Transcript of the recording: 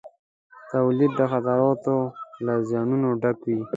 تولیدات د خطراتو او زیانونو ډک وي.